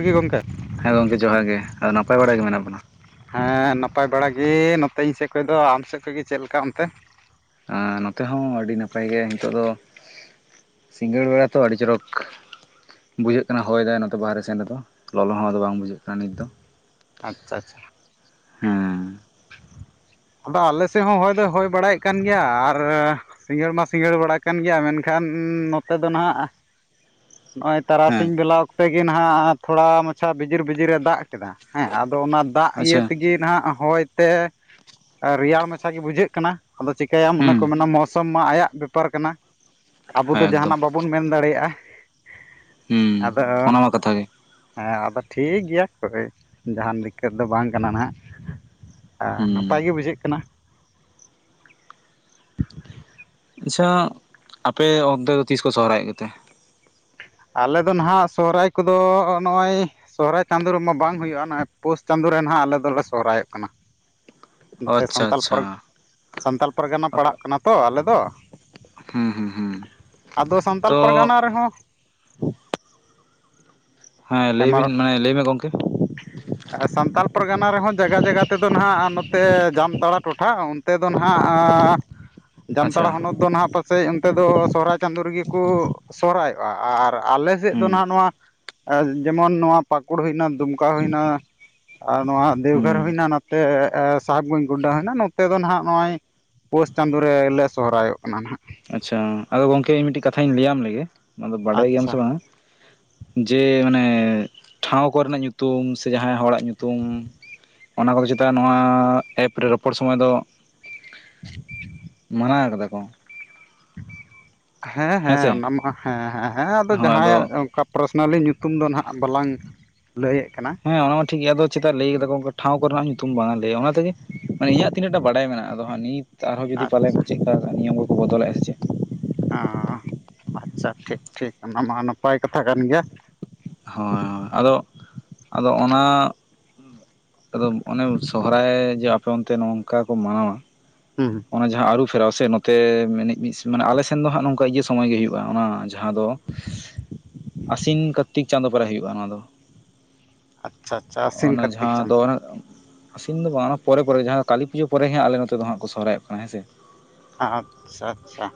ᱜᱮ ᱜᱚᱢᱠᱮ ᱦᱮᱸ ᱜᱚᱢᱠᱮ ᱡᱚᱦᱟᱨ ᱜᱮ ᱟᱫᱚ ᱱᱟᱯᱟᱭ ᱵᱟᱲᱟ ᱜᱮ ᱢᱮᱱᱟᱜ ᱵᱚᱱᱟ ᱦᱮᱸ ᱱᱟᱯᱟᱭ ᱵᱟᱲᱟᱟᱜ ᱜᱮ ᱱᱚᱛᱮ ᱤᱧ ᱥᱮᱫ ᱠᱷᱚᱡ ᱫᱚ ᱟᱢ ᱥᱮᱫ ᱠᱷᱚᱱᱜ ᱜᱮ ᱪᱮᱫ ᱞᱮᱠᱟ ᱚᱱᱛᱮ ᱟᱨ ᱱᱚᱛᱮ ᱦᱚᱸ ᱟᱹᱰᱤ ᱱᱟᱯᱟᱭ ᱜᱮᱭᱟ ᱱᱤᱛᱚᱜ ᱫᱚ ᱥᱤᱸᱜᱟᱹᱲ ᱵᱮᱲᱟ ᱛᱚ ᱟᱹᱰᱤ ᱪᱚᱨᱚᱠ ᱵᱩᱡᱷᱟᱹᱜ ᱠᱟᱱᱟ ᱦᱚᱭ ᱫᱟᱭ ᱱᱚᱛᱮ ᱵᱟᱦᱨᱮ ᱥᱮᱱ ᱨᱮᱫᱚ ᱞᱚᱞᱚ ᱦᱚᱸᱫᱚ ᱵᱟᱝ ᱵᱩᱡᱷᱟᱹᱜ ᱠᱟᱱᱟ ᱱᱤᱛ ᱫᱚ ᱟᱪᱪᱷᱟ ᱟᱪᱪᱷᱟ ᱦᱮᱸ ᱟᱫᱚ ᱟᱞᱮ ᱥᱮᱫ ᱦᱚᱸ ᱦᱚᱭ ᱫᱚᱭ ᱦᱚᱭ ᱵᱟᱲᱟᱭᱮᱫ ᱠᱟᱱ ᱜᱮᱭᱟ ᱟᱨ ᱥᱤᱸᱜᱟᱹᱲ ᱢᱟ ᱥᱤᱸᱜᱟᱹᱲ ᱵᱟᱲᱟ ᱠᱟᱱ ᱜᱮᱭᱟ ᱢᱮᱱᱠᱷᱟᱱ ᱱᱚᱛᱮ ᱫᱚ ᱱᱟᱦᱟᱜ ᱻ ᱱᱚᱜᱼᱚᱭ ᱛᱟᱨᱟᱥᱤᱧ ᱵᱮᱞᱟ ᱚᱠᱛᱮ ᱜᱮ ᱱᱟᱦᱱᱟᱜ ᱛᱷᱚᱲᱟ ᱢᱟᱪᱷᱟ ᱵᱤᱡᱤᱨ ᱵᱤᱡᱤᱨ ᱮ ᱫᱟᱜ ᱠᱮᱫᱟ ᱦᱮᱸ ᱟᱫᱚ ᱚᱱᱟ ᱫᱟᱜ ᱤᱭᱟᱹ ᱟᱪᱪᱷᱟ ᱛᱮᱜᱮ ᱱᱟᱦᱟᱜ ᱦᱚᱭ ᱛᱮ ᱨᱮᱭᱟᱲ ᱢᱟᱪᱷᱟ ᱜᱮ ᱵᱩᱡᱷᱟᱹᱜ ᱠᱟᱱᱟ ᱟᱫᱚ ᱪᱤᱠᱟᱹᱭᱟᱢ ᱚᱱᱮ ᱦᱩᱸ ᱠᱚ ᱢᱮᱱᱟ ᱢᱳᱥᱩᱚᱢ ᱢᱟ ᱟᱭᱟᱜ ᱵᱮᱯᱟᱨ ᱠᱟᱱᱟ ᱟᱵᱚ ᱦᱮᱸ ᱫᱚ ᱮᱠᱫᱚᱢ ᱡᱟᱦᱟᱱᱟᱜ ᱵᱟᱵᱚᱱ ᱢᱮᱱ ᱫᱟᱲᱮᱭᱟᱜᱼᱟ ᱦᱩᱸ ᱟᱫᱚ ᱚᱱᱟ ᱢᱟ ᱠᱟᱛᱷᱟ ᱜᱮ ᱦᱮᱸ ᱟᱫᱚ ᱴᱷᱤᱠ ᱜᱮᱭᱟ ᱠᱚᱠᱚᱭ ᱡᱟᱦᱟᱱ ᱫᱤᱠᱠᱚᱛ ᱫᱚ ᱵᱟᱝ ᱠᱟᱱᱟ ᱦᱟᱜ ᱸ ᱦᱩᱸ ᱱᱟᱯᱟᱭ ᱜᱮ ᱵᱩᱡᱷᱟᱹᱜ ᱠᱟᱱᱟ ᱻ ᱟᱪᱪᱷᱟ ᱟᱯᱮ ᱚᱱᱛᱮ ᱫᱚ ᱛᱤᱥ ᱠᱚ ᱥᱚᱦᱨᱟᱭ ᱚᱜ ᱠᱚᱛᱮ ᱟᱞᱮ ᱫᱚ ᱱᱟᱦᱟᱜ ᱥᱚᱦᱨᱟᱭ ᱠᱚᱫᱚ ᱱᱚᱜᱼᱚᱭ ᱥᱚᱦᱨᱟᱭ ᱪᱟᱸᱫᱳ ᱨᱮᱢᱟ ᱵᱟᱝ ᱦᱩᱭᱩᱜᱼᱟ ᱱᱚᱜᱼᱚᱭ ᱯᱩᱥ ᱪᱟᱸᱫᱳ ᱨᱮ ᱱᱟ ᱟᱞᱮ ᱫᱚᱞᱮ ᱥᱚᱦᱨᱟᱭᱚᱜ ᱠᱟᱱᱟ ᱻ ᱱᱚᱛᱮ ᱥᱟᱱᱛᱟᱲ ᱯᱟᱨᱜᱟᱱᱟ ᱥᱟᱱᱛᱟᱞ ᱯᱟᱨᱜᱟᱱᱟ ᱯᱟᱲᱟᱜ ᱠᱟᱱᱟ ᱛᱚ ᱟᱞᱮ ᱫᱚ ᱦᱩᱸ ᱦᱩᱸ ᱦᱩᱸ ᱟᱫᱚ ᱥᱟᱱᱛᱟᱞ ᱛᱚ ᱯᱟᱨᱜᱟᱱᱟ ᱨᱮᱦᱚᱸ ᱦᱮᱸ ᱞᱟᱹᱭ ᱵᱤᱱ ᱦᱮᱢᱟᱨ ᱞᱟᱹᱭ ᱢᱮ ᱜᱚᱢᱠᱮ ᱥᱟᱱᱛᱟᱲ ᱯᱚᱨᱜᱟᱱᱟ ᱨᱮᱦᱚᱸ ᱡᱟᱜᱟ ᱡᱟᱜᱟ ᱛᱮᱫᱚ ᱱᱟᱦᱟᱜ ᱱᱚᱛᱮ ᱡᱟᱢᱛᱟᱲᱟ ᱴᱚᱴᱷᱟ ᱚᱱᱛᱮ ᱫᱚ ᱱᱟᱦᱟᱜ ᱟᱪᱪᱷᱟ ᱡᱟᱱᱛᱟᱲᱟ ᱦᱚᱱᱚᱛ ᱫᱚ ᱱᱟᱦᱟᱜ ᱯᱟᱥ ᱥᱮ ᱚᱱᱛᱮ ᱫᱚ ᱥᱚᱦᱦᱟᱭ ᱪᱟᱸᱫᱳ ᱨᱮᱜᱮ ᱠᱚ ᱥᱚᱦᱨᱟᱭᱚᱜᱼᱟ ᱟᱨ ᱟᱞᱮ ᱥᱮᱫ ᱫᱚ ᱦᱩᱸ ᱱᱟᱦᱟᱜ ᱱᱚᱣᱟ ᱡᱮᱢᱚᱱ ᱱᱚᱣᱟ ᱯᱟᱠᱩᱲ ᱦᱩᱭᱮᱱᱟ ᱫᱩᱢᱠᱟ ᱦᱩᱭᱱᱟ ᱟᱨ ᱱᱚᱣᱟ ᱫᱮᱣᱜᱷᱚᱨ ᱦᱩᱸ ᱦᱩᱭᱱᱟ ᱱᱚᱛᱮ ᱥᱟᱦᱮᱵᱽᱜᱚᱸᱧᱡᱽ ᱜᱚᱱᱰᱟ ᱦᱩᱭᱱᱟ ᱱᱚᱛᱮ ᱫᱚ ᱱᱟᱸᱜ ᱱᱚᱜᱼᱚᱭ ᱯᱳᱥ ᱪᱟᱸᱫᱳ ᱨᱮᱞᱮ ᱥᱚᱦᱨᱟᱭᱚᱜ ᱠᱟᱱᱟ ᱱᱟᱦᱟᱜ ᱟᱪᱪᱷᱟ ᱟᱫᱚ ᱜᱚᱝᱠᱮ ᱤᱧ ᱢᱤᱫᱴᱤᱡ ᱠᱟᱛᱷᱟᱧ ᱞᱟᱹᱭᱟᱢ ᱞᱮᱜᱮ ᱚᱱᱟ ᱫᱚ ᱵᱟᱰᱟᱭ ᱜᱮᱭᱟᱢ ᱟᱪᱪᱷᱟ ᱥᱮ ᱵᱟᱝ ᱡᱮ ᱢᱟᱱᱮ ᱴᱷᱟᱶ ᱠᱚᱨᱮᱱᱟᱜ ᱧᱩᱛᱩᱢ ᱥᱮ ᱡᱟᱦᱟᱸᱭ ᱦᱚᱲᱟᱜ ᱧᱩᱛᱩᱢ ᱚᱱᱟ ᱠᱚᱫᱚ ᱪᱮᱛᱟ ᱱᱚᱣᱟ ᱮᱯᱨᱮ ᱨᱚᱯᱚᱲ ᱥᱚᱢᱚᱭ ᱫᱚ ᱢᱟᱱᱟᱣ ᱠᱟᱫᱟ ᱠᱚ ᱦᱮᱸ ᱦᱮᱸ ᱦᱮᱸᱥᱮ ᱚᱱᱟ ᱢᱟ ᱦᱮᱸ ᱦᱮᱸ ᱦᱮᱸ ᱟᱫᱚ ᱡᱟᱦᱟᱸᱭᱟᱜ ᱚᱱᱠᱟ ᱯᱟᱨᱥᱚᱱᱟᱞᱤ ᱧᱩᱛᱩᱢ ᱧᱩᱛᱩᱢ ᱫᱚ ᱱᱟᱦᱟᱜ ᱵᱟᱞᱟᱝ ᱞᱟᱹᱭᱮᱫ ᱠᱟᱱᱟ ᱦᱮᱸ ᱚᱱᱟᱢᱟ ᱴᱷᱤᱠ ᱜᱮᱭᱟ ᱟᱫᱚ ᱪᱮᱫᱟᱜ ᱞᱟᱹᱭ ᱠᱮᱫᱟ ᱠᱚ ᱴᱷᱟᱶ ᱠᱚᱨᱮᱱᱟᱜ ᱧᱩᱛᱩᱢ ᱵᱟᱝ ᱞᱟᱹᱭᱟ ᱚᱱᱟ ᱛᱮᱜᱮ ᱢᱟᱱᱮ ᱤᱧᱟᱹᱜ ᱛᱤᱱᱟᱹᱜ ᱴᱟᱜ ᱵᱟᱰᱟᱭ ᱢᱮᱱᱟᱜᱼᱟ ᱟᱫᱚ ᱦᱟᱸᱜ ᱱᱤᱛ ᱟᱨᱦᱚᱸ ᱡᱩᱫᱤ ᱯᱟᱞᱮ ᱟᱪᱪᱷᱟ ᱠᱚ ᱪᱮᱫᱮ ᱱᱤᱭᱚᱢ ᱠᱚᱠᱚ ᱵᱚᱫᱚᱞᱮᱫᱼᱟ ᱥᱮ ᱪᱮᱫ ᱟ ᱟᱪᱪᱷᱟ ᱴᱷᱤᱠ ᱴᱷᱤᱠ ᱚᱱᱟ ᱢᱟ ᱱᱟᱯᱟᱭ ᱠᱟᱛᱷᱟ ᱠᱟᱱ ᱜᱮᱭᱟ ᱦᱳᱭ ᱦᱳᱭ ᱟᱫᱚ ᱟᱫᱚ ᱚᱱᱟ ᱟᱫᱚ ᱚᱱᱮ ᱥᱚᱦᱨᱟᱭ ᱡᱮ ᱟᱯᱮ ᱚᱱᱛᱮ ᱱᱚᱝᱠᱟ ᱠᱚ ᱢᱟᱱᱟᱣᱟ ᱦᱩᱸ ᱚᱱᱟ ᱡᱟᱦᱟᱸ ᱟᱹᱨᱩᱵ ᱯᱷᱮᱨᱟᱣ ᱥᱮ ᱱᱚᱛᱮ ᱢᱮᱱᱮᱡ ᱢᱤᱫ ᱢᱟᱱᱮ ᱟᱞᱮ ᱥᱮᱱ ᱫᱚ ᱦᱟᱸᱜ ᱱᱚᱝᱠᱟ ᱤᱭᱟᱹ ᱥᱚᱢᱚᱭ ᱜᱮ ᱦᱩᱭᱩᱜᱼᱟ ᱚᱱᱟ ᱡᱟᱦᱟᱸ ᱫᱚ ᱟᱥᱤᱱ ᱠᱟᱨᱛᱤᱠ ᱪᱟᱸᱫᱳ ᱯᱚᱨᱮ ᱦᱳᱭᱳᱼᱟ ᱚᱱᱟ ᱫᱚ ᱟᱪᱪᱷᱟ ᱟᱪᱪᱷᱟ ᱟᱥᱤᱱ ᱚᱱᱟ ᱠᱟᱨᱛᱤᱠ ᱡᱟᱦᱟᱸ ᱪᱟᱸᱫ ᱫᱚ ᱟᱥᱤᱱ ᱫᱚ ᱵᱟᱝ ᱯᱚᱨᱮ ᱯᱚᱨᱮ ᱡᱟᱦᱟᱸ ᱫᱚ ᱠᱟᱹᱞᱤ ᱯᱩᱡᱟᱹ ᱯᱚᱨᱮ ᱦᱟᱸᱜ ᱠᱚ ᱥᱚᱨᱦᱟᱭᱚᱜ ᱠᱟᱱᱟ ᱦᱮᱸ ᱥᱮ ᱟᱪᱪᱷᱟ ᱟᱪᱪᱷᱟ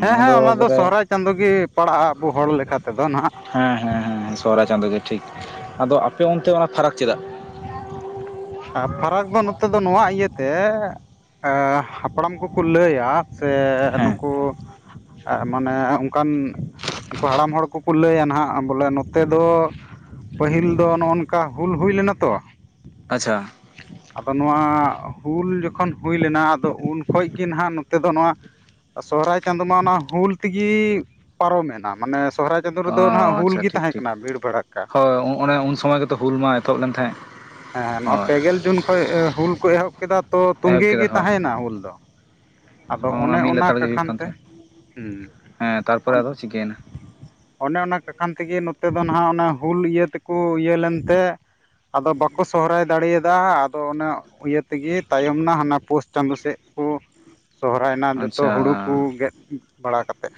ᱦᱮᱸ ᱦᱮᱸ ᱚᱱᱟ ᱫᱚ ᱥᱚᱦᱨᱟᱭ ᱪᱟᱸᱫᱳ ᱜᱮ ᱯᱟᱲᱟᱜᱼᱟ ᱟᱵᱚ ᱦᱚᱲ ᱞᱮᱠᱟ ᱛᱮᱫᱚ ᱦᱟᱸᱜ ᱥᱚᱦᱚᱨᱟᱭ ᱪᱟᱸᱫᱳ ᱜᱮ ᱴᱷᱤᱠ ᱟᱫᱚ ᱟᱯᱮ ᱚᱱᱛᱮ ᱚᱱᱟ ᱯᱷᱟᱨᱟᱠ ᱪᱮᱫᱟᱜ ᱟᱨ ᱯᱷᱟᱨᱟᱠ ᱫᱚ ᱱᱚᱛᱮ ᱫᱚ ᱱᱚᱣᱟ ᱤᱭᱟᱹᱛᱮ ᱛᱮ ᱦᱟᱯᱲᱟᱢ ᱠᱚᱠᱚ ᱞᱟᱹᱭᱟ ᱥᱮ ᱦᱮᱸ ᱱᱩᱠᱩ ᱢᱟᱱᱮ ᱚᱱᱠᱟᱱ ᱩᱱᱠᱩ ᱦᱟᱲᱟᱢ ᱦᱚᱲ ᱠᱚᱠᱚ ᱞᱟᱹᱭᱟ ᱦᱟᱸᱜ ᱵᱚᱞᱮ ᱱᱚᱛᱮ ᱫᱚ ᱯᱟᱹᱦᱤᱞ ᱫᱚ ᱱᱚᱜᱼ ᱱᱚᱝᱠᱟ ᱦᱩᱞ ᱦᱩᱭ ᱞᱮᱱᱟ ᱛᱚ ᱟᱪᱪᱷᱟ ᱟᱫᱚ ᱱᱚᱣᱟ ᱦᱩᱞ ᱡᱚᱠᱷᱚᱱ ᱦᱩᱭ ᱞᱮᱱᱟ ᱟᱫᱚ ᱩᱱ ᱠᱷᱚᱱ ᱜᱮ ᱱᱟᱦᱟᱸᱜ ᱱᱚᱛᱮ ᱫᱚ ᱱᱚᱣᱟ ᱥᱚᱦᱚᱨᱟᱭ ᱪᱟᱸᱫᱳ ᱢᱟ ᱚᱱᱟ ᱦᱩᱞ ᱛᱮᱜᱮ ᱯᱟᱨᱚᱢᱮᱱᱟ ᱢᱟᱱᱮ ᱥᱚᱨᱦᱟᱭ ᱪᱟᱸᱫ ᱚ ᱨᱮᱫᱚ ᱱᱟᱜ ᱦᱩᱞ ᱟᱪᱪᱷᱟ ᱜᱮ ᱴᱷᱤᱠ ᱴᱷᱤᱠ ᱛᱟᱦᱮᱸᱠᱟᱱᱟ ᱵᱷᱤᱲᱵᱲᱟᱠᱟ ᱦᱳᱭ ᱚᱱᱮ ᱩᱱ ᱥᱚᱢᱚᱭ ᱜᱮᱛᱚ ᱦᱩᱞ ᱢᱟ ᱮᱛᱚᱦᱚᱵ ᱞᱮᱱ ᱛᱟᱦᱮᱸᱫ ᱦᱮᱸ ᱱᱚᱣᱟ ᱦᱳᱭ ᱯᱮᱜᱮᱞ ᱡᱩᱱ ᱠᱷᱚᱱ ᱦᱩᱞ ᱠᱚ ᱮᱦᱚᱵ ᱠᱮᱫᱟ ᱛᱚ ᱮᱦᱚᱵ ᱛᱚᱛᱮ ᱠᱮᱫᱟ ᱜᱮ ᱦᱳᱭ ᱛᱟᱦᱮᱭᱮᱱᱟ ᱦᱩᱞ ᱫᱚ ᱟᱫᱚ ᱚᱱᱮ ᱢᱤᱫ ᱚᱱᱟ ᱞᱮᱛᱟᱲ ᱜᱮ ᱦᱩᱭᱩᱜ ᱵᱟᱠᱷᱟᱱ ᱠᱟᱱ ᱛᱮ ᱛᱟᱦᱮᱸᱫ ᱦᱩᱸ ᱦᱮᱸ ᱛᱟᱨᱯᱚᱨᱮ ᱚᱱ ᱟᱫᱚ ᱪᱤᱠᱟᱹᱭᱮᱱᱟ ᱚᱱᱮ ᱚᱱᱟ ᱠᱟᱠᱷᱟᱱ ᱛᱮᱜᱮ ᱱᱚᱛᱮ ᱫᱚ ᱦᱟᱜ ᱚᱱᱮ ᱦᱩᱞ ᱤᱭᱟᱹ ᱛᱮᱠᱚ ᱤᱭᱟᱹ ᱞᱮᱱᱛᱮ ᱟᱫᱚ ᱵᱟᱠ ᱥᱚᱦᱨᱟᱭ ᱫᱟᱲᱮᱭᱟᱫᱟ ᱟᱫᱚ ᱚᱱᱟ ᱤᱭᱟᱹ ᱛᱮᱜᱮ ᱛᱟᱭᱚᱢ ᱢᱟ ᱦᱟᱱᱟ ᱯᱳᱥ ᱪᱟᱸᱫᱳ ᱥᱮᱫ ᱠᱚ ᱥᱚᱦᱨᱟᱭᱱᱟ ᱡᱚᱛᱚ ᱟᱪᱪᱷᱟ ᱦᱩᱲᱩ ᱠᱚ ᱜᱮᱫ ᱵᱟᱲᱟ ᱠᱟᱛᱮᱛ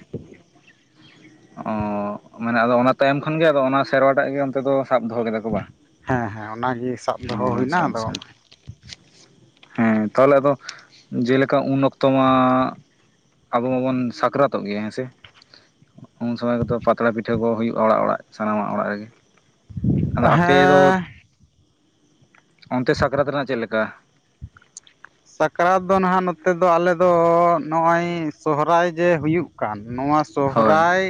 ᱚ ᱢᱟᱱᱮ ᱟᱫᱚ ᱚᱱᱟ ᱛᱟᱭᱚᱢ ᱠᱷᱚᱱᱜᱮ ᱟᱫᱚ ᱚᱱᱟ ᱥᱮᱨᱣᱟᱴᱟᱜ ᱜᱮ ᱚᱱᱛᱮ ᱫᱚ ᱥᱟᱵ ᱫᱚᱦᱚ ᱠᱮᱫᱟ ᱠᱚ ᱵᱟᱝ ᱦᱮᱸ ᱦᱮᱸ ᱚᱱᱟᱜᱮ ᱥᱟᱵ ᱚ ᱫᱚᱦᱚ ᱦᱩᱭᱱᱟ ᱟᱪᱪᱷᱟ ᱟᱫᱚ ᱟᱪᱪᱷᱟ ᱦᱮᱸ ᱛᱟᱦᱞᱮ ᱟᱫᱚ ᱡᱮᱞᱮᱠᱟ ᱩᱱ ᱚᱠᱛᱚ ᱢᱟ ᱟᱵᱚ ᱢᱟᱵᱚᱱ ᱥᱟᱠᱨᱟᱛᱚᱜ ᱜᱮᱭᱟ ᱦᱮᱸᱥᱮ ᱩᱱ ᱥᱚᱢᱚᱭ ᱠᱚᱫᱚ ᱯᱟᱛᱲᱟ ᱯᱤᱴᱷᱟᱹ ᱠᱚ ᱦᱩᱭᱩᱜᱼᱟ ᱚᱲᱟᱜ ᱚᱲᱟᱜ ᱥᱟᱱᱟᱢᱟᱜ ᱚᱲᱟᱜ ᱨᱮᱜᱮ ᱟᱫᱚ ᱟᱯᱮ ᱫᱚ ᱦᱮᱸ ᱚᱱᱛᱮ ᱥᱟᱠᱨᱟᱛ ᱨᱮᱱᱟᱜ ᱪᱮᱫ ᱞᱮᱠᱟ ᱥᱟᱠᱨᱟᱛ ᱫᱚ ᱱᱟᱦᱟᱜ ᱱᱚᱛᱮ ᱫᱚ ᱟᱞᱮ ᱫᱚ ᱱᱚᱜᱼᱚᱭ ᱥᱚᱦᱨᱟᱭ ᱡᱮ ᱦᱩᱭᱩᱜ ᱠᱟᱱ ᱱᱚᱣᱟ ᱥᱚᱦᱨᱚᱟᱭ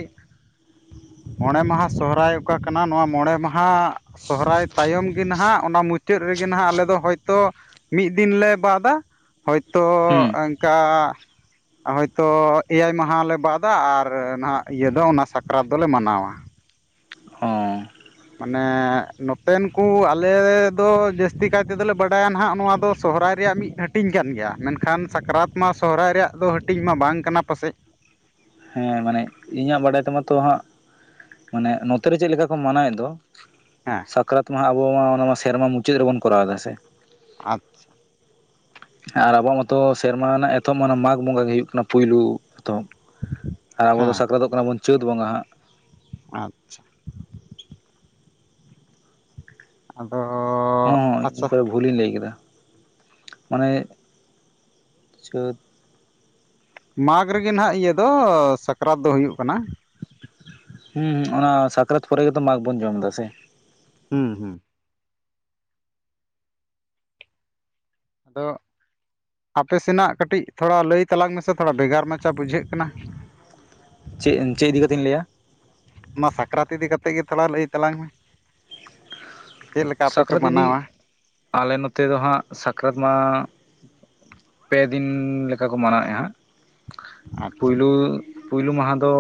ᱦᱮᱸ [inaudible] ᱢᱚᱬᱮ ᱢᱟᱦᱟ ᱥᱚᱦᱨᱟᱭ ᱚᱠᱟ ᱠᱟᱱᱟ ᱱᱚᱣᱟ ᱢᱚᱬᱮ ᱢᱟᱦᱟ ᱥᱚᱦᱨᱟᱭ ᱛᱟᱭᱚᱢ ᱜᱮ ᱱᱟᱦᱟᱜ ᱚᱱᱟ ᱢᱩᱪᱟᱹᱫ ᱨᱮᱜᱮ ᱱᱟᱦᱟᱜ ᱟᱞᱮᱚ ᱦᱚᱭᱛᱳ ᱢᱤᱫ ᱫᱤᱱ ᱞᱮᱮ ᱵᱟᱫ ᱦᱚᱭᱛᱳ ᱦᱩᱸ ᱚᱱᱠᱟ [unintelligible] ᱦᱳᱭᱛᱳ ᱮᱭᱟᱭ ᱢᱟᱦᱟᱞᱟᱞᱮ ᱵᱟᱫ ᱟᱨ ᱱᱟᱦᱟᱜ ᱤᱭᱟᱹ ᱫᱚ ᱚᱱᱟ ᱥᱟᱠᱨᱟᱛ ᱫᱚᱞᱮ ᱢᱟᱱᱟᱣᱟ ᱚ ᱢᱟᱱᱮ ᱱᱚᱛᱮᱱ ᱠᱚ ᱟᱞᱮ ᱫᱚ ᱡᱟᱹᱥᱛᱤ ᱠᱟᱭ ᱛᱮᱫᱚᱞᱮ ᱵᱟᱰᱟᱭᱟ ᱢᱟᱱᱮ ᱱᱚᱛᱮᱱ ᱠᱚ ᱚᱞᱮ ᱫᱚ ᱡᱟᱥᱛᱤ ᱠᱟᱭ ᱛᱮ ᱵᱟᱰᱟᱭᱟ ᱱᱚᱣᱟ ᱫᱚ ᱥᱚᱦᱚᱨᱟᱭ ᱨᱮᱭᱟᱜ ᱢᱤᱫ ᱦᱟᱹᱴᱤᱧ ᱠᱟᱱ ᱥᱟᱦᱨᱟᱭ ᱨᱮᱭᱟᱜ ᱢᱤᱫ ᱦᱟᱴᱤᱝ ᱜᱮᱭᱟ ᱢᱮᱱᱠᱷᱟᱱ ᱥᱟᱠᱨᱟᱛ ᱢᱟ ᱥᱚᱦᱨᱟᱭ ᱨᱮᱭᱟᱜ ᱫᱚ ᱦᱟᱹᱴᱤᱧ ᱢᱟ ᱵᱟᱝ ᱠᱟᱱᱟ ᱯᱟᱥᱮᱫ [inaudible] ᱢᱟᱱᱮ ᱤᱧᱟᱹᱜ ᱵᱟᱰᱟᱭ ᱛᱮᱢᱟ ᱛᱚ ᱦᱟᱸᱜ ᱢᱟᱱᱮ ᱱᱚᱛᱮ ᱨᱮ ᱪᱮᱫᱞᱮᱠᱟ ᱠᱚ ᱢᱟᱱᱟᱣᱮᱫ ᱫᱚ ᱦᱮᱸ ᱥᱟᱠᱨᱟᱛ ᱢᱟᱦᱟ ᱟᱵᱚ ᱢᱟ ᱚᱱᱟ ᱥᱮᱨᱢᱟ ᱢᱩᱪᱟᱹᱫ ᱨᱮᱵᱚᱱ ᱠᱚᱨᱟᱣ ᱮᱫᱟ ᱥᱮ ᱟᱪᱪᱷᱟ ᱟᱨ ᱟᱵᱚᱣᱟᱜ ᱢᱟᱚᱛᱚ ᱥᱮᱨᱢᱟ ᱨᱮᱱᱟᱜ ᱮᱛᱚᱦᱚᱵ ᱢᱟ ᱢᱟᱜᱽ ᱵᱚᱸᱜᱟ ᱜᱮ ᱦᱩᱭᱩᱜᱜ ᱠᱟᱱᱟ ᱯᱩᱭᱭᱞᱩ ᱮᱛᱚᱦᱚᱵ ᱟᱨ ᱟᱵᱚ ᱫᱚ ᱦᱮᱸ ᱥᱟᱠᱨᱟᱛᱚᱜ ᱠᱟᱱᱟ ᱵᱚᱱ ᱪᱟᱹᱛ ᱵᱚᱸᱜᱟ ᱦᱟᱸᱜ ᱟᱪᱪᱷᱟ ᱟᱫᱚ ᱟᱪᱪᱷᱟ ᱦᱮ ᱵᱷᱩᱞᱤᱧ ᱞᱟᱹᱭ ᱠᱮᱫᱟ ᱢᱚᱱᱮ ᱪᱟᱹᱛ ᱢᱟᱜᱽ ᱨᱮᱜᱮ ᱱᱟᱦᱟᱜ ᱤᱭᱟᱹ ᱫᱚ ᱥᱟᱠᱨᱟᱛ ᱫᱚ ᱦᱩᱭᱩᱜ ᱠᱟᱱᱟ᱾ ᱦᱮᱸ ᱚᱱᱟ ᱥᱟᱠᱨᱟᱛ ᱯᱚᱨᱮ ᱜᱮᱛᱚ ᱢᱟᱜᱷ ᱵᱚᱱ ᱡᱚᱢ ᱫᱟᱥᱮ ᱦᱩ ᱦᱩ ᱟᱫᱚ ᱟᱯᱮ ᱥᱮᱱᱟᱜ ᱠᱟᱹᱴᱤᱡ ᱛᱷᱚᱲᱟ ᱞᱟᱹᱭ ᱛᱟᱞᱟᱝ ᱢᱮᱥᱮ ᱛᱷᱚᱲᱟ ᱵᱷᱮᱜᱟᱨ ᱢᱟᱪᱷᱟ ᱵᱩᱡᱷᱟᱹᱜ ᱠᱟᱱᱟ ᱪᱮᱫ ᱪᱮᱫ ᱤᱫᱤ ᱠᱟᱛᱮᱧ ᱞᱟᱹᱭᱟ ᱚᱱᱟ ᱥᱟᱠᱨᱟᱛ ᱤᱫᱤ ᱠᱟᱛᱮᱫ ᱜᱮ ᱛᱷᱚᱲᱟ ᱞᱟᱹᱭ ᱛᱟᱞᱟᱝ ᱢᱮ ᱪᱮᱫ ᱞᱮᱠᱟ ᱟᱯᱮ ᱯᱮ ᱥᱟᱠᱨᱟᱛ ᱤᱫᱤ ᱢᱟᱱᱟᱣᱟ ᱟᱞᱮ ᱱᱚᱛᱮ ᱫᱚ ᱦᱟᱸᱜ ᱥᱟᱠᱨᱟᱛ ᱢᱟ ᱯᱮ ᱫᱤᱱ ᱞᱮᱠᱟ ᱠᱚ ᱢᱟᱱᱟᱣᱮᱫᱼᱟ ᱦᱟᱸᱜ ᱟᱪᱪᱷᱟ ᱯᱳᱭᱞᱳ ᱯᱳᱭᱞᱳ ᱢᱟᱦᱟ ᱫᱚ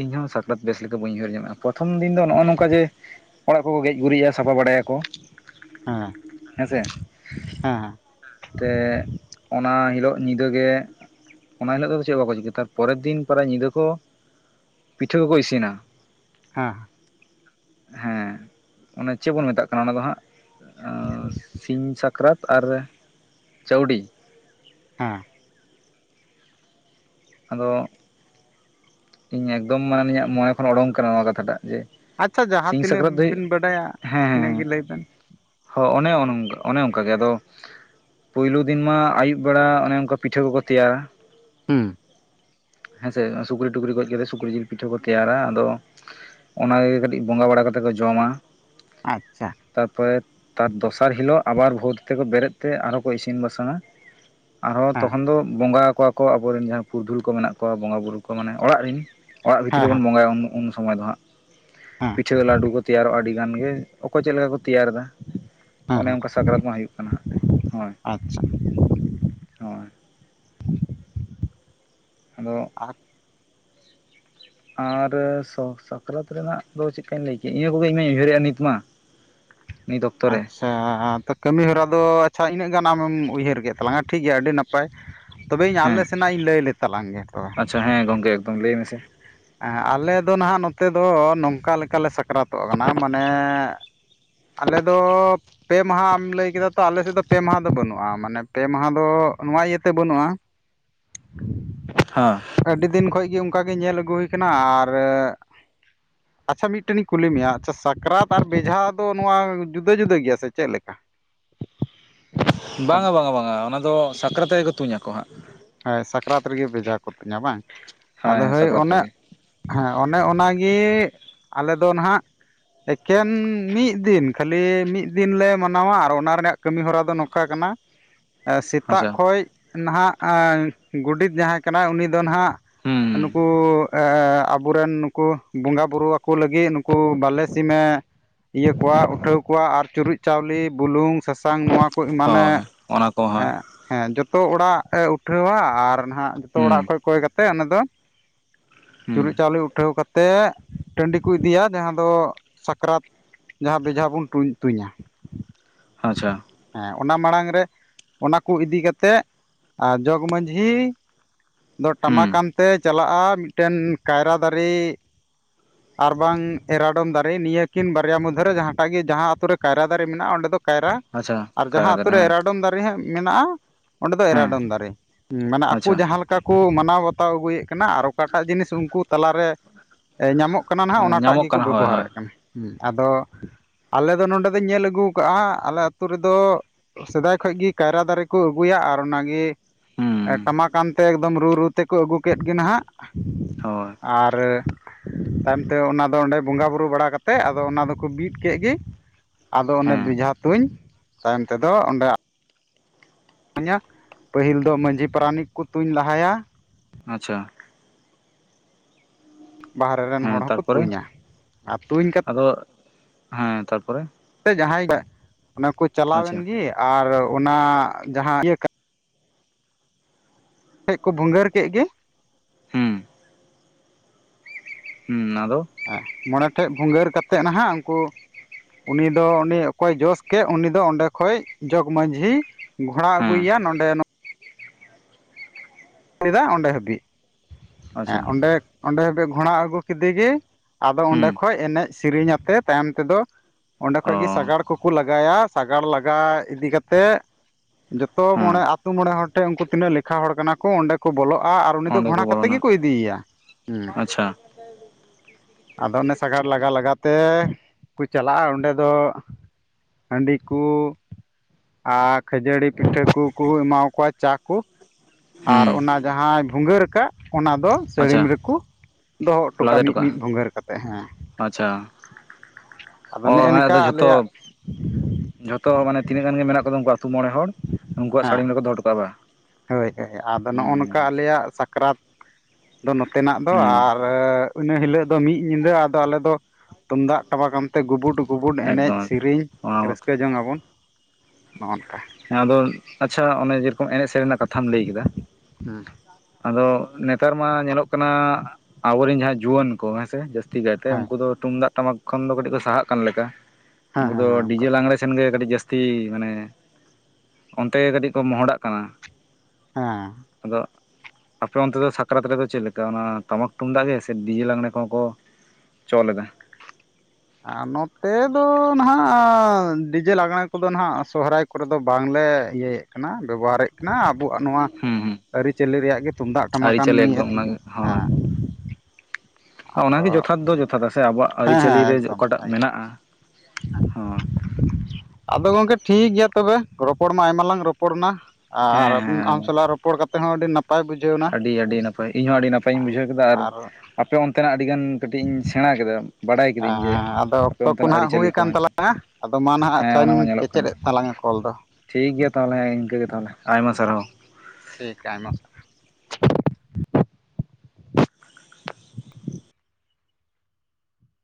ᱤᱧ ᱦᱚᱸᱚᱸ ᱥᱟᱠᱨᱟᱛ ᱵᱮᱥ ᱞᱮᱠᱟ ᱵᱟᱧ ᱩᱭᱦᱟᱹᱨ ᱧᱟᱢᱮᱫᱼᱟ ᱯᱨᱚᱛᱷᱚᱢ ᱫᱤᱱ ᱫᱚ ᱱᱚᱜᱼᱚ ᱱᱚᱝᱠᱟ ᱡᱮ ᱚᱲᱟᱜ ᱠᱚᱠᱚ ᱜᱮᱡ ᱜᱩᱨᱤᱡᱼᱟ ᱥᱟ ᱠᱚ ᱵᱟᱲᱟᱭᱟᱠᱚ ᱦᱮᱸ ᱦᱮᱸᱥᱮ ᱦᱮᱸ ᱦᱮᱸ ᱛᱮ ᱚᱱᱟ ᱦᱤᱞᱳᱜ ᱧᱤᱫᱟᱹ ᱜᱮ ᱚᱱᱟ ᱦᱤᱞᱳᱜ ᱫᱚ ᱪᱮᱫ ᱵᱟᱠᱚ ᱪᱤᱠᱟᱸᱭᱟ ᱛᱟᱨ ᱯᱚᱨᱮᱨ ᱫᱤᱱ ᱯᱚᱨᱮ ᱧᱤᱫᱟᱹ ᱠᱚ ᱯᱤᱴᱷᱟᱹ ᱠᱚᱠᱚ ᱤᱥᱤᱱᱟ ᱦᱮᱸ ᱦᱮᱸ ᱚᱱᱮ ᱪᱮᱫ ᱵᱚᱱ ᱢᱮᱛᱟᱜ ᱠᱟᱱᱟ ᱚᱱᱟ ᱫᱚ ᱦᱟᱸᱜ ᱥᱤᱧ ᱥᱟᱠᱨᱟᱛ ᱟᱨ ᱪᱟᱹᱣᱰᱤ ᱦᱮᱸ ᱟᱫᱚ ᱤᱧ ᱮᱠᱫᱚᱢ ᱢᱟᱱᱮ ᱤᱱᱟᱜ ᱢᱚᱱᱮ ᱠᱷᱚᱱ ᱳᱰᱚᱝ ᱠᱟᱱᱟ ᱱᱚᱣᱟ ᱠᱟᱛᱷᱟᱴᱟᱜ ᱡᱮ ᱟᱪᱪᱷᱟ ᱡᱟᱦᱟᱸ ᱥᱤᱧ ᱛᱤᱱᱟᱹᱜ ᱥᱟᱠᱨᱟᱛ ᱫᱚ ᱦᱩᱭᱩᱜ ᱵᱤᱱ ᱵᱟᱰᱟᱭᱟ ᱦᱮᱸ ᱤᱱᱟᱹᱜ ᱜᱮ ᱞᱟᱹᱭ ᱵᱮᱱ ᱦᱮᱸᱦᱳ ᱚᱱ ᱚᱱᱮ ᱚᱱᱮ ᱚᱱᱠᱟᱜᱮ ᱟᱫᱚ ᱯᱳᱭᱞᱩ ᱫᱤᱱ ᱢᱟ ᱟᱹᱭᱩᱵ ᱵᱮᱲᱟ ᱚᱱᱮ ᱚᱱᱠᱟ ᱯᱤᱴᱷᱟᱹ ᱠᱚᱠᱚ ᱛᱮᱭᱟᱨᱟ ᱦᱮᱸ ᱦᱮᱸᱥᱮ ᱥᱩᱠᱨᱤ ᱴᱩᱠᱨᱤ ᱜᱚᱡ ᱠᱟᱛᱮ ᱥᱩᱠᱨᱤ ᱡᱤᱞ ᱯᱤᱴᱷᱟᱹ ᱠᱚ ᱛᱮᱭᱟᱨᱟ ᱟᱫᱚ ᱚᱱᱟᱜᱮ ᱠᱟᱹᱴᱤᱡ ᱵᱚᱸᱜᱟ ᱵᱟᱲᱟᱛᱮᱫ ᱠᱚ ᱡᱚᱢᱟ ᱟᱪᱪᱷᱟ ᱛᱟᱯᱚᱨᱮ ᱛᱟᱨ ᱫᱚᱥᱟᱨ ᱦᱤᱞᱳᱜ ᱟᱵᱟᱨ ᱵᱷᱳᱨ ᱛᱮᱠᱚ ᱵᱮᱨᱮᱫ ᱛᱮ ᱟᱨᱦᱚᱸ ᱠᱚ ᱤᱥᱤᱱ ᱵᱟᱥᱟᱝᱼᱟ ᱟᱨᱦᱚᱸ ᱦᱮᱸ ᱛᱚᱠᱷᱚᱱ ᱫᱚ ᱵᱚᱸᱜᱟ ᱠᱚᱣᱟ ᱠᱚ ᱟᱵᱚᱨᱮᱱ ᱡᱟᱦᱟᱸ ᱯᱩᱨᱩᱫᱷᱩᱞ ᱠᱚ ᱢᱮᱱᱟᱜ ᱠᱚᱣᱟ ᱵᱚᱸᱜᱟ ᱵᱩᱨᱩ ᱠᱚ ᱢᱟᱱᱮ ᱚᱲᱟᱜ ᱨᱮᱱ ᱚᱲᱟᱜ ᱦᱮᱸ ᱵᱷᱤᱛᱤᱨ ᱦᱮᱸ ᱨᱮᱵᱚᱱ ᱵᱚᱸᱜᱟᱭᱟ ᱩᱱ ᱥᱚᱢᱚᱭ ᱫᱚ ᱦᱟᱸᱜ ᱦᱮᱸ ᱯᱤᱴᱷᱟᱹ ᱞᱟᱹᱰᱩ ᱠᱚ ᱛᱮᱭᱟᱨᱚᱜᱼᱟ ᱟᱹᱰᱤ ᱜᱟᱱ ᱜᱮ ᱚᱠᱚᱭ ᱪᱮᱫ ᱞᱮᱠᱟ ᱠᱚ ᱛᱮᱭᱟᱨᱮᱫᱟ ᱦᱮᱸ ᱚᱱᱮ ᱦᱮᱸ ᱚᱱᱠᱟ ᱥᱟᱠᱨᱟᱛ ᱢᱟ ᱦᱩᱭᱩᱜ ᱠᱟᱱᱟ ᱦᱟᱸᱜ ᱦᱳᱭ ᱟᱪᱪᱷᱟ ᱦᱳᱭ [inaudible] ᱟᱫᱚ ᱟᱨ ᱥᱟᱠᱨᱟᱛ ᱨᱮᱱᱟᱜ ᱫᱚ ᱪᱮᱫᱠᱟᱧ ᱞᱟᱹᱭ ᱠᱮᱭᱟ ᱤᱱᱟᱹ ᱠᱚᱜᱮ ᱤᱧ ᱢᱟᱧ ᱩᱭᱦᱟᱹᱨᱮᱜᱼᱟ ᱱᱤᱛ ᱢᱟ [inaudible] ᱨᱮ ᱟᱪᱪᱷᱟ ᱠᱟᱹᱢᱤ ᱦᱚᱨᱟ ᱫᱚ ᱟᱪᱪᱷᱟ ᱤᱱᱟᱹᱜ ᱜᱮ ᱜᱟᱱ ᱟᱢᱮᱢ ᱩᱭᱦᱟᱹᱨ ᱠᱮᱫ ᱛᱟᱞᱟᱝᱟ ᱴᱷᱤᱠ ᱜᱮᱭᱟ ᱟᱹᱰᱤ ᱱᱟᱯᱟᱭ ᱛᱚᱵᱮ ᱤᱧ ᱟᱞᱮ ᱦᱮᱸ ᱥᱮᱱᱟᱜ ᱤᱧ ᱞᱟᱹᱭ ᱞᱮ ᱛᱟᱞᱟᱝ ᱜᱮ ᱛᱚᱵᱮ ᱟᱪᱪᱷᱟ ᱦᱮᱸ ᱜᱚᱝᱠᱮ ᱮᱠᱫᱚᱢ ᱞᱟᱹᱭ ᱢᱮᱥᱮ ᱟᱞᱮ ᱫᱚ ᱱᱟᱦᱟᱜ ᱱᱚᱛᱮ ᱫᱚ ᱱᱚᱝᱠᱟ ᱞᱮᱠᱟᱞᱮ ᱥᱟᱠᱨᱟᱛᱚᱜ ᱠᱟᱱᱟ ᱢᱟᱱᱮ ᱟᱞᱮ ᱫᱚ ᱯᱮ ᱢᱟᱦᱟᱢ ᱞᱟᱹᱭ ᱠᱮᱫᱟ ᱛᱚ ᱟᱞᱮ ᱥᱮᱫ ᱫᱚ ᱯᱮ ᱢᱟᱦᱟ ᱫᱚ ᱵᱟᱹᱱᱩᱜᱼᱟ ᱢᱟᱱᱮ ᱯᱮ ᱢᱟᱦᱟ ᱫᱚ ᱛᱚ ᱱᱚᱣᱟ ᱤᱭᱟᱹᱛᱮ ᱵᱟᱹᱱᱩᱜᱼᱟ [inaudible] ᱟᱹᱰᱤ ᱫᱤᱱ ᱠᱷᱚᱡ ᱜᱮ ᱚᱱᱠᱟ ᱜᱮ ᱧᱮᱞ ᱟᱹᱜᱩ ᱦᱩᱭ ᱠᱟᱱᱟ ᱟᱨ ᱮ ᱟᱪᱪᱷᱟ ᱢᱤᱫᱴᱮᱱᱤᱧ ᱠᱩᱞᱤ ᱢᱮᱭᱟ ᱟᱪᱪᱷᱟ ᱥᱟᱠᱨᱟᱛ ᱟᱨ ᱵᱮᱡᱷᱟ ᱫᱚ ᱱᱚᱣᱟ ᱡᱩᱫᱟᱹ ᱡᱩᱫᱟᱹ ᱜᱮᱭᱟ ᱥᱮ ᱪᱮᱫ ᱞᱮᱠᱟ ᱵᱟᱝᱟ ᱵᱟᱝᱟ ᱵᱟᱝᱟ ᱚᱱᱟ ᱫᱚ ᱥᱟᱠᱨᱟᱛ ᱨᱮᱜᱮ ᱠᱚ ᱛᱩᱧᱟᱠᱚ ᱦᱟᱸᱜ ᱦᱳᱭ ᱥᱟᱠᱨᱟᱛ ᱨᱮᱜᱮ ᱵᱷᱮᱡᱟ ᱠᱚ ᱛᱩᱧᱟᱹ ᱵᱟᱝ ᱦᱮᱸ ᱟᱫᱚ ᱦᱮᱸ ᱦᱳᱭ ᱥᱟᱠᱨᱟᱛ ᱚᱱᱮ ᱨᱮᱜᱮ ᱦᱮᱸ ᱚᱱᱮ ᱚᱱᱟᱜᱮ ᱟᱞᱮ ᱫᱚ ᱱᱟᱦᱟᱜ ᱮᱠᱮᱱ ᱢᱤᱫ ᱫᱤᱱ ᱠᱷᱟᱹᱞᱤ ᱢᱤᱫ ᱫᱤᱱ ᱞᱮ ᱢᱟᱱᱟᱣᱟ ᱟᱨ ᱚᱱᱟ ᱨᱮᱱᱟᱜ ᱠᱟᱹᱢᱤ ᱦᱚᱨᱟ ᱫᱚ ᱱᱚᱝᱠᱟ ᱠᱟᱱᱟ ᱥᱮᱛᱟᱜ ᱟᱪᱪᱷᱟ ᱠᱷᱚᱱ ᱱᱟᱦᱟᱜ ᱜᱚᱰᱮᱛ ᱡᱟᱦᱟᱸᱭ ᱠᱟᱱᱟᱭ ᱩᱱᱤ ᱫᱚ ᱱᱟᱦᱟᱜ ᱦᱩᱸ ᱱᱩᱠᱩ ᱟᱵᱚᱨᱮᱱ ᱱᱩᱠᱩ ᱵᱚᱸᱜᱟ ᱵᱩᱨᱩᱣᱟ ᱠᱩ ᱞᱟᱹᱜᱤᱫ ᱱᱩᱠᱩ ᱵᱟᱞᱮ ᱥᱤᱢᱮ ᱤᱭᱟᱹ ᱠᱚᱣᱟ ᱩᱴᱷᱟᱹᱣ ᱠᱚᱣᱟ ᱟᱨ ᱪᱩᱨᱩᱡ ᱪᱟᱣᱞᱮ ᱵᱩᱞᱩᱝ ᱥᱟᱥᱟᱝ ᱱᱚᱣᱟ ᱢᱟᱱᱮ ᱦᱳᱭ ᱚᱱᱟ ᱠᱚ ᱦᱳᱭ ᱦᱮᱸ ᱡᱚᱛᱚ ᱚᱲᱟᱜ ᱮ ᱩᱴᱷᱟᱹᱣᱟ ᱟᱨ ᱦᱟᱸᱜ ᱡᱚᱛᱚ ᱦᱩᱸ ᱚᱲᱟᱜ ᱠᱷᱚᱱ ᱠᱚᱭ ᱠᱟᱛᱮ ᱚᱱᱟ ᱫᱚ ᱦᱩᱸ ᱪᱩᱨᱩᱡ ᱪᱟᱣᱞᱮ ᱩᱴᱷᱟᱹᱣ ᱠᱟᱛᱮ ᱛᱮ ᱴᱟᱺᱰᱤ ᱠᱚ ᱤᱫᱤᱭᱟ ᱡᱟᱦᱟᱸ ᱫᱚ ᱥᱟᱠᱨᱟᱛ ᱡᱟᱦᱟᱸ ᱵᱮᱡᱟ ᱵᱚᱱ ᱛᱩᱧᱟ ᱟᱪᱪᱷᱟ ᱦᱮᱸ ᱚᱱᱟ ᱢᱟᱲᱟᱝ ᱨᱮ ᱚᱱᱟ ᱠᱚ ᱤᱫᱤ ᱠᱟᱛᱮ ᱡᱚᱜᱽ ᱢᱟᱺᱡᱷᱤ ᱫᱚ ᱴᱟᱢᱟᱠ ᱦᱩᱸ ᱟᱱᱛᱮ ᱪᱟᱞᱟᱜᱼᱟ᱾ ᱢᱤᱫᱴᱮᱱ ᱠᱟᱭᱨᱟ ᱫᱟᱨᱮ ᱟᱨ ᱵᱟᱝ ᱮᱨᱟᱰᱚᱢ ᱫᱟᱨᱮ ᱱᱤᱭᱟᱹ ᱠᱤᱱ ᱵᱟᱨᱭᱟ ᱢᱚᱫᱽᱫᱷᱮ ᱨᱮ ᱡᱟᱦᱟᱸᱴᱟᱜ ᱜᱮ᱾ ᱡᱟᱦᱟᱸ ᱟᱛᱳ ᱨᱮ ᱠᱟᱭᱨᱟ ᱫᱟᱨᱮ ᱢᱮᱱᱟᱜᱼᱟ ᱚᱸᱰᱮ ᱫᱚ ᱠᱟᱭᱨᱟ ᱟᱪᱪᱷᱟ ᱟᱨ ᱠᱟᱭᱨᱟ ᱡᱟᱦᱟᱸ ᱟᱛᱳ ᱫᱟᱨᱮ ᱨᱮ ᱦᱮᱸ ᱮᱨᱟᱰᱚᱢ ᱫᱟᱨᱮ ᱦ ᱢᱮᱱᱟᱜᱼᱟ᱾ ᱚᱸᱰᱮ ᱫᱚ ᱦᱮᱸ ᱮᱨᱟᱰᱚᱢ ᱫᱟᱨᱮ ᱦᱮ ᱢᱟᱱᱮ ᱟᱠᱚ ᱟᱪᱪᱷᱟ ᱡᱟᱦᱟᱸ ᱞᱮᱠᱟ ᱠᱚ ᱢᱟᱱᱟᱣ ᱵᱟᱛᱟᱣ ᱟᱹᱜᱩᱭᱮᱫ ᱠᱟᱱᱟ᱾ ᱠᱟᱱᱟ ᱟᱨ ᱚᱠᱟᱴᱟᱜ ᱡᱤᱱᱤᱥ ᱩᱱᱠᱩ ᱛᱟᱞᱟᱨᱮ ᱧᱟᱢᱚᱜ ᱠᱟᱱᱟ ᱦᱟᱜ᱾ ᱚᱱᱟᱴᱟᱜ ᱧᱟᱢᱚᱜ ᱜᱮᱠᱚ ᱠᱟᱱᱟ ᱦᱳᱭ ᱦᱳᱭ ᱵᱮᱵᱚᱦᱟᱨᱮᱫ ᱠᱟᱱᱟ ᱦᱟᱜ᱾ ᱟᱫᱚ ᱟᱞᱮ ᱫᱚ ᱱᱚᱰᱮ ᱫᱚᱧ ᱧᱮᱞ ᱟᱹᱜᱩ ᱠᱟᱜᱼᱟ᱾ ᱟᱞᱮ ᱟᱹᱛᱩ ᱨᱮᱫᱚ ᱥᱮᱫᱟᱭ ᱠᱷᱚᱱᱜ ᱜᱮ ᱠᱟᱭᱨᱟ ᱫᱟᱨᱮ ᱠᱚ ᱟᱹᱜᱩᱭᱟ ᱟᱨ ᱚᱱᱟᱜᱮ ᱦᱩᱸ ᱴᱟᱢᱟᱠ ᱟᱱᱛᱮ ᱮᱠᱫᱚᱢ ᱨᱩ ᱨᱩ ᱛᱮᱠᱚ ᱟᱹᱜᱩ ᱠᱮᱫ ᱜᱮ ᱱᱟᱦᱟᱜ ᱦᱳᱭ ᱟᱨ ᱛᱟᱭᱚᱢᱛᱮ ᱚᱱᱟᱫᱚ ᱚᱸᱰᱮ ᱵᱚᱸᱜᱟᱼᱵᱩᱨᱩ ᱵᱟᱲᱟ ᱠᱟᱛᱮᱫ ᱟᱫᱚ ᱚᱱᱟ ᱫᱚᱠᱚ ᱵᱤᱫ ᱠᱮᱫ ᱜᱮ ᱟᱫᱚ ᱚᱱᱮ ᱦᱮᱸ ᱵᱚᱡᱷᱟ ᱛᱩᱧ ᱛᱟᱭᱚᱢ ᱛᱮᱫᱚ ᱚᱸᱰᱮ ᱤᱢᱧᱟ ᱯᱟᱹᱦᱤᱞ ᱫᱚ ᱢᱟᱹᱡᱷᱤ ᱯᱟᱨᱟᱱᱤᱠ ᱠᱚ ᱛᱩᱧ ᱞᱟᱦᱟᱭᱟ᱾ ᱟᱪᱪᱷᱟ ᱵᱟᱦᱨᱮ ᱨᱮᱱ ᱦᱚᱲ ᱦᱮᱸ ᱦᱚᱸᱠᱚ ᱛᱟᱨᱯᱚᱨᱮ ᱛᱩᱧᱟ ᱟᱨ ᱛᱩᱧ ᱠᱟᱛᱮᱫ ᱟᱫᱚ ᱦᱮᱸ ᱛᱟᱨᱯᱚᱨᱮ ᱥᱮ ᱡᱟᱦᱟᱸᱭ ᱚᱱᱟᱠᱚ ᱪᱟᱞᱟᱣᱮᱱ ᱟᱪᱪᱷᱟ ᱜᱮ ᱟᱨ ᱚᱱᱟ ᱡᱟᱦᱟᱸ ᱤᱭᱟᱹ ᱴᱮᱡ ᱠᱚ ᱵᱷᱩᱜᱟᱹᱨ ᱠᱮᱫ ᱜᱮ ᱦᱩᱸ ᱦᱩᱸ ᱟ ᱢᱚᱬᱮ ᱴᱷᱮᱡ ᱵᱷᱩᱜᱟᱹᱨ ᱠᱟᱛᱮᱫ ᱱᱟᱦᱟᱜ ᱩᱱᱠᱩ ᱩᱱᱤ ᱫᱚ ᱩᱱᱤ ᱚᱠᱚᱭ ᱡᱚᱥ ᱠᱮᱫ ᱩᱱᱤ ᱫᱚ ᱚᱸᱰᱮ ᱠᱷᱚᱡ ᱡᱚᱜᱽ ᱢᱟᱺᱡᱷᱤ ᱜᱷᱚᱲᱟ ᱦᱮᱸ ᱟᱹᱜᱩᱭᱮᱭᱟ ᱱᱚᱰᱮ ᱟ ᱚᱸᱰᱮ ᱦᱟᱹᱵᱤᱡ ᱟᱪᱪᱷᱟ ᱦᱮᱸ ᱚᱸᱰᱮ ᱚᱸᱰᱮ ᱦᱟᱹᱵᱤᱡ ᱜᱷᱚᱲᱟ ᱟᱹᱜᱩ ᱠᱮᱫᱮ ᱜᱮ᱾ ᱟᱫᱚ ᱚᱸᱰᱮ ᱦᱩᱸ ᱠᱷᱚᱡ ᱮᱱᱮᱡ ᱥᱮᱨᱮᱧ ᱟᱛᱮ ᱛᱟᱭᱚᱢ ᱛᱮᱫᱚ ᱚᱸᱰᱮ ᱚ ᱠᱷᱚᱡ ᱜᱮ ᱥᱟᱜᱟᱲ ᱠᱚᱠᱚ ᱞᱟᱜᱟᱭᱟ᱾ ᱥᱟᱜᱟᱲ ᱞᱟᱜᱟ ᱤᱫᱤ ᱠᱟᱛᱮᱫ ᱡᱚᱛᱚ ᱢᱚᱬᱮ ᱦᱮᱸ ᱟᱛᱩ ᱢᱚᱬᱮ ᱦᱚᱲ ᱴᱷᱮᱱ ᱩᱱᱠᱩ ᱛᱤᱱᱟᱹᱜ ᱞᱮᱠᱷᱟ ᱦᱚᱲ ᱠᱟᱱᱟ ᱠᱚ ᱾ ᱠᱚ ᱚᱸᱰᱮ ᱠᱚ ᱵᱚᱞᱚᱜᱼᱟ ᱟᱨ ᱩᱱᱤ ᱫᱚ ᱚᱸᱰᱮ ᱠᱚ ᱜᱷᱚᱲᱟ ᱠᱟᱛᱮᱫ ᱵᱚᱞᱚᱱᱟ ᱜᱮᱠᱚ ᱤᱫᱤᱭᱮᱭᱟ᱾ ᱟᱪᱪᱷᱟ ᱟᱫᱚ ᱚᱱᱮ ᱥᱟᱜᱟᱲ ᱞᱟᱜᱟ ᱞᱟᱜᱟ ᱛᱮᱠᱚ ᱪᱟᱞᱟᱜᱼᱟ᱾ ᱚᱸᱰᱮ ᱫᱚ ᱦᱟᱺᱰᱤ ᱠᱚ ᱟᱨ ᱠᱷᱟᱹᱡᱟᱹᱲᱤ ᱯᱤᱴᱷᱟᱹ ᱠᱚᱠᱚ ᱮᱢᱟ ᱠᱚᱣᱟ ᱪᱟ ᱠᱚ ᱟᱨ ᱦᱩᱸ ᱚᱱᱟ ᱡᱟᱦᱟᱸᱭ ᱵᱷᱩᱜᱟᱹᱨ ᱟᱠᱟᱫ᱾ ᱚᱱᱟ ᱫᱚ ᱥᱟᱹᱲᱤᱢ ᱟᱪᱪᱷᱟ ᱨᱮᱠᱚ ᱫᱚᱦᱚ ᱦᱚᱴᱚ ᱠᱟᱜ ᱞᱟᱫᱮ ᱠᱟᱜᱼᱟ ᱢᱤᱫ-ᱢᱤᱫ ᱵᱷᱚᱸᱜᱟᱹᱨ ᱠᱟᱛᱮᱜ ᱦᱮᱸ ᱟᱪᱪᱷᱟ ᱟᱫᱚ ᱚ ᱱᱮᱜᱼᱮ ᱱᱮᱝᱠᱟ ᱟᱫᱚ ᱡᱷᱚᱛᱚ ᱟᱞᱮᱭᱟᱜ ᱡᱷᱚᱛᱚ ᱢᱟᱱᱮ ᱛᱤᱱᱟᱹᱜ ᱜᱟᱱ ᱜᱮ ᱢᱮᱱᱟᱜ ᱠᱚᱫᱚ ᱩᱱᱠᱩ ᱟᱛᱳ ᱢᱚᱬᱮ ᱦᱚᱲ ᱩᱱᱠᱩᱣᱟᱜ ᱦᱮᱸ ᱥᱟᱹᱲᱤᱢ ᱨᱮᱠᱚ ᱫᱚᱦᱚ ᱦᱚᱴᱚ ᱠᱟᱜ ᱟ ᱵᱟ? ᱦᱳᱭ ᱦᱳᱭ ᱟᱫᱚ ᱱᱚᱜᱼᱚ ᱱᱚᱝᱠᱟ ᱦᱮᱸ ᱟᱞᱮᱭᱟᱜ ᱥᱟᱠᱨᱟᱛ ᱫᱚ ᱱᱚᱛᱮᱱᱟᱜ ᱫᱚ ᱦᱮᱸ ᱟᱨ ᱤᱱᱟᱹ ᱦᱤᱞᱳᱜ ᱫᱚ ᱢᱤᱫ ᱧᱤᱫᱟᱹ ᱟᱫᱚ ᱟᱞᱮ ᱫᱚ ᱛᱩᱢᱫᱟᱜ ᱴᱟᱢᱟᱠ ᱟᱛᱮ ᱜᱩᱵᱩᱰᱩ ᱮᱱᱮᱡ ᱮᱠᱫᱚᱢ ᱥᱮᱨᱮᱧ ᱚᱱᱟ ᱢᱚᱛᱚ ᱨᱟᱹᱥᱠᱟᱹ ᱡᱚᱝ ᱟᱵᱚᱱ ᱱᱚᱜᱼᱝᱠᱟ ᱮᱸ ᱟᱫᱚ ᱟᱪᱪᱷᱟ ᱚᱱᱮ ᱡᱮᱨᱚᱠᱚᱢ ᱮᱱᱮᱡ ᱥᱮᱨᱮᱧ ᱨᱮᱭᱟᱜ ᱠᱟᱛᱷᱟᱢ ᱞᱟᱹᱭ ᱠᱮᱫᱟ᱾ ᱦᱮᱸ ᱟᱫᱚ ᱱᱮᱛᱟᱨ ᱢᱟ ᱧᱮᱞᱚᱜ ᱠᱟᱱᱟ ᱟᱵᱚᱨᱮᱱ ᱡᱟᱦᱟᱸ ᱡᱩᱣᱟᱹᱱ ᱠᱚ ᱦᱮᱸᱥᱮ ᱡᱟᱹᱥᱛᱤ ᱴᱷᱤᱠᱟᱭᱛᱮ ᱦᱮᱸ ᱩᱱᱠᱩ ᱫᱚ ᱛᱩᱢᱫᱟᱜ ᱴᱟᱢᱟᱠ ᱠᱷᱚᱱ ᱫᱚ ᱠᱟᱹᱴᱤᱡ ᱠᱚ ᱥᱟᱦᱟᱜ ᱠᱟᱱ ᱞᱮᱠᱟ᱾ ᱦᱮᱸ ᱩᱱᱠᱩ ᱦᱮᱸ ᱫᱚ ᱦᱮᱸ ᱚᱱᱠᱟ ᱰᱤᱡᱮ ᱞᱟᱝᱬᱮ ᱥᱮᱱᱜᱮ ᱠᱟᱹᱴᱤᱡ ᱡᱟᱹᱥᱛᱤ ᱢᱟᱱᱮ ᱚᱱᱛᱮ ᱜᱮ ᱠᱟᱹᱴᱤᱡ ᱠᱚ ᱢᱚᱦᱚᱲᱟᱜ ᱠᱟᱱᱟ᱾ ᱦᱮᱸ ᱟᱫᱚ ᱟᱯᱮ ᱚᱱᱛᱮ ᱫᱚ ᱥᱟᱠᱨᱟᱛ ᱨᱮᱫᱚ ᱪᱮᱫ ᱞᱮᱠᱟ ᱚᱱᱟ ᱴᱟᱢᱟᱠ ᱛᱩᱢᱫᱟᱜ ᱜᱮ ᱥᱮ ᱰᱤᱡᱮ ᱞᱟᱸᱜᱽᱬᱮ ᱠᱚᱦᱚᱸ ᱠᱚ ᱪᱚᱞ ᱮᱫᱟ ᱟ ᱱᱚᱛᱮ ᱫᱚ ᱱᱟᱦᱟᱜ ᱰᱤᱡᱮ ᱞᱟᱜᱽᱲᱟ ᱠᱚᱫᱚ ᱱᱟᱜ ᱦᱟᱸᱜ ᱥᱚᱦᱨᱟᱭ ᱠᱚᱨᱮ ᱫᱚ ᱵᱟᱝ ᱞᱮ ᱤᱭᱟᱹᱭᱮᱫ ᱠᱟᱱᱟ ᱵᱮᱵᱚᱦᱟᱨᱮᱫ ᱠᱟᱱᱟ ᱟᱵᱚᱣᱟᱜ ᱱᱚᱣᱟ ᱦᱩᱸ ᱦᱩᱸ ᱟᱹᱨᱤᱪᱟᱹᱞᱤ ᱨᱮᱭᱟᱜ ᱜᱮ ᱛᱩᱢᱫᱟᱜ ᱴᱟᱢᱟᱠᱟᱱ ᱟᱹᱨᱤᱪᱟᱹᱞᱤ ᱱᱤᱭᱮ ᱮᱠᱫᱚᱢ ᱛᱮᱜᱮ ᱦᱮᱸ ᱚᱱᱟ ᱟᱫᱚ ᱜᱮ ᱡᱚᱛᱷᱟᱛ ᱫᱚ ᱡᱚᱛᱷᱼᱟ ᱥᱮ ᱟᱵᱚᱣᱟᱜ ᱦᱮᱸ ᱟᱹᱨᱤᱪᱟᱹᱞᱤ ᱦᱮᱸ ᱨᱮ ᱮᱠᱫᱚᱢ ᱚᱠᱟᱴᱟᱜ ᱮᱠᱫᱚᱢ ᱢᱮᱱᱟᱜᱼᱟ ᱦᱚᱸ ᱟᱫᱚ ᱜᱚᱝᱠᱮ ᱴᱷᱤᱠ ᱜᱮᱭᱟ ᱛᱚᱵᱮ ᱨᱚᱯᱚᱲ ᱢᱟ ᱟᱭᱢᱟ ᱞᱟᱝ ᱨᱚᱯᱚᱲ ᱮᱱᱟ ᱟᱨ ᱦᱮᱸ ᱦᱮᱸ ᱟᱢ ᱥᱟᱞᱟᱜ ᱨᱚᱯᱚᱲ ᱠᱟᱛᱮ ᱦᱚᱸ ᱟᱹᱰᱤ ᱱᱟ ᱟᱹᱰᱤ ᱟᱹᱰᱤ ᱱᱟᱯᱟᱭ ᱤᱧᱦᱚᱸ ᱟᱹᱰᱤ ᱱᱟᱯᱟᱭᱤᱧ ᱵᱩᱡᱷᱟᱹᱣ ᱠᱮᱫᱟ ᱟᱨ ᱟᱯᱮ ᱚᱱᱛᱮᱱᱟᱜ ᱟᱹᱰᱤ ᱜᱟᱱ ᱠᱟᱹᱴᱤᱡ ᱤᱧ ᱥᱮᱬᱟ ᱠᱮᱫᱟ ᱵᱟᱰᱟᱭ ᱠᱤᱫᱟᱹᱧ ᱡᱮ ᱟᱫᱚ ᱟᱯᱮ ᱚᱠᱛᱚ ᱠᱚ ᱚᱱᱛᱮᱱᱟᱜ ᱱᱟᱦᱟᱜ ᱟᱹᱨᱤᱪᱟᱹᱞᱤ ᱠᱚ ᱦᱚᱸ ᱦᱮ ᱵᱟᱹᱧ ᱠᱮᱪᱮᱫ ᱮᱫ ᱛᱟᱞᱟᱝᱟ ᱠᱚᱞ ᱫᱚ ᱴᱷᱤᱠ ᱜᱮᱮᱭᱟ ᱛᱟᱦᱚᱞᱮ ᱦᱮᱸ ᱤᱱᱠᱟᱹᱜᱮ ᱛᱟᱦᱚᱞᱮ ᱟᱭᱢᱟ ᱥᱟᱨᱦᱟᱣ ᱴᱷᱤᱠ ᱟᱭᱢᱟ ᱥᱟᱨᱦᱟᱣ